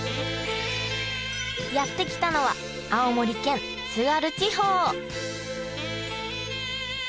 やって来たのは青森県津軽地方！